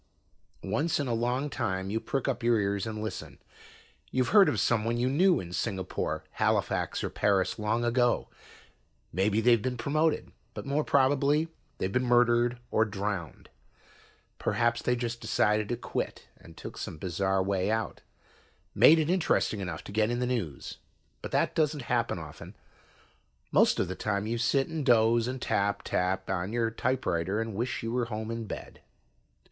Once in a long time you prick up your ears and listen. You've heard of some one you knew in Singapore, Halifax or Paris, long ago. Maybe they've been promoted, but more probably they've been murdered or drowned. Perhaps they just decided to quit and took some bizarre way out. Made it interesting enough to get in the news. But that doesn't happen often. Most of the time you sit and doze and tap, tap on your typewriter and wish you were home in bed.